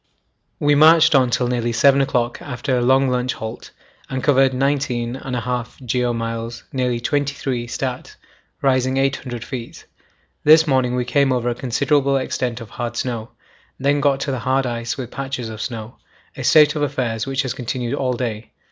We marched on till nearly 7 o'clock after a long lunch halt, and covered 19 1/2 geo. miles, nearly 23 (stat.), rising 800 feet. This morning we came over a considerable extent of hard snow, then got to hard ice with patches of snow; a state of affairs which has continued all day.